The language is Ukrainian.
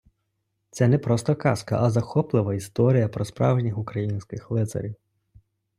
Це не просто казка, а захоплива історія про справжніх українських лицарів.